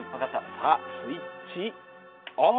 さあスイッチオン！